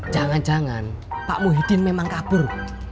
jangan jangan pak muhyiddin memang kabur